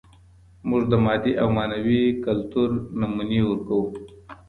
موږ د مادي او معنوي کلتور نمونې ورکوو.